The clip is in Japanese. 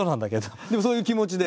でもそういう気持ちで。